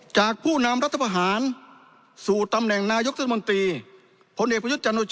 จากผู้นำรัฐประหารสู่ตำแห่งนายกเจ้าสมนตีพลเดพยฯ